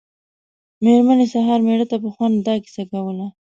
مېرمنې سهار مېړه ته په خوند دا کیسه کوله.